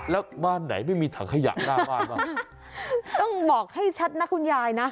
แล้วบ้านไหนไม่มีถังขยะหน้าบ้านบ้างต้องบอกให้ชัดนะคุณยายนะ